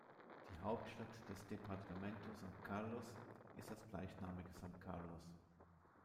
Die Hauptstadt des Departamento San Carlos ist das gleichnamige San Carlos.